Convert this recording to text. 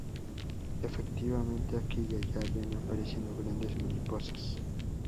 Efectivamente, aquí y allá ven apareciendo grandes mariposas.